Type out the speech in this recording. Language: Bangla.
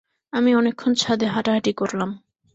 আমি অনেকক্ষণ ছাদে হাঁটাহাঁটি করলাম।